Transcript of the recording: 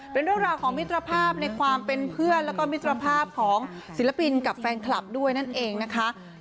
เป็นเรื่องราวของมิตรภาพในความเป็นเพื่อนแล้วก็มิตรภาพของศิลปินกับแฟนคลับด้วยนั่นเองนะคะ